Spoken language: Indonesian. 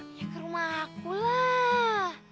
hanya ke rumah aku lah